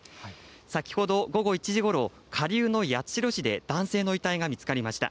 先ほど午後１時ごろ、下流の八代市で男性の遺体が見つかりました。